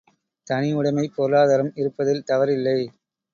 தனி உடைமைப் பொருளாதாரம் இருப்பதில் தவறில்லை.